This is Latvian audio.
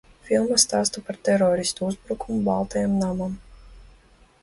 Filma stāsta par teroristu uzbrukumu Baltajam namam.